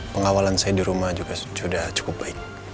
pengawalan saya di rumah juga sudah cukup baik